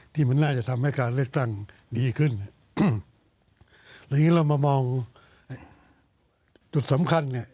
ที่มันน่าจะทำให้การเลือกตั้งดีขึ้นอืมแล้วทีนี้เรามามองจุดสำคัญเนี่ย